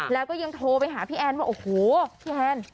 แล้วก็ยังโทรไปหาพี่แอนว่าโอ้โหพี่แอน